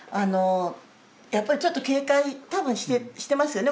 やっぱりちょっと警戒多分してますよね